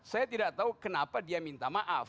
saya tidak tahu kenapa dia minta maaf